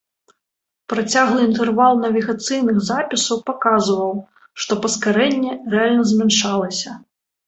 Працяглы інтэрвал навігацыйных запісаў паказваў, што паскарэнне рэальна змяншалася.